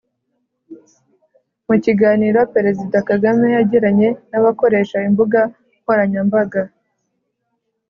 Mu kiganiro Perezida Kagame yagiranye n’abakoresha imbuga nkoranyambaga